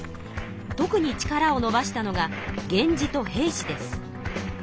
特に力をのばしたのが源氏と平氏です。